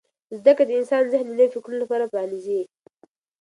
زده کړه د انسان ذهن د نویو فکرونو لپاره پرانیزي.